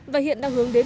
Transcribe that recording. và hiện đang hướng dẫn